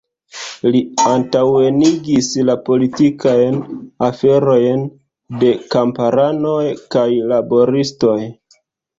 Li antaŭenigis la politikajn aferojn de kamparanoj kaj laboristoj.